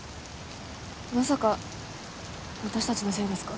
まさか私達のせいですか？